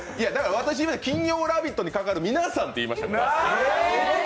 私、金曜「ラヴィット！」に関わる皆さんって言いました。